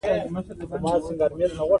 تالابونه د افغانستان د اجتماعي جوړښت برخه ده.